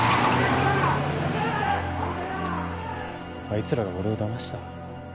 あいつらが俺を騙した？